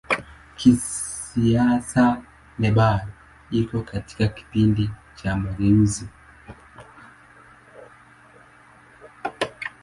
Kisiasa Nepal iko katika kipindi cha mageuzi.